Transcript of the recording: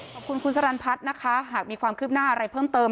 ขอบคุณคุณสรรพัฒน์นะคะหากมีความคืบหน้าอะไรเพิ่มเติม